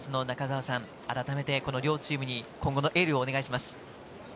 中澤さん、改めてこの両チームに今後のエールをお願いします。